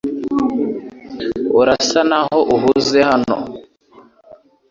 Urasa naho uhuze hano .